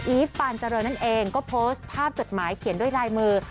ีฟปานเจริญนั่นเองก็โพสต์ภาพจดหมายเขียนด้วยลายมือ